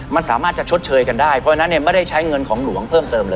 มันสามารถจะชดเชยกันได้เพราะฉะนั้นเนี่ยไม่ได้ใช้เงินของหลวงเพิ่มเติมเลย